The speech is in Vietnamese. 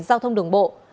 giao thông đồng tài sản